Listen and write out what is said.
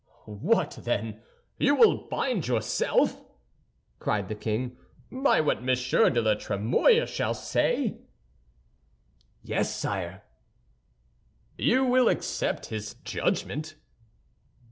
"What, then! You will bind yourself," cried the king, "by what Monsieur de la Trémouille shall say?" "Yes, sire." "You will accept his judgment?"